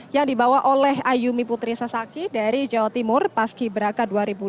yang dibawa oleh ayumi putri sasaki dari jawa timur paski beraka dua ribu dua puluh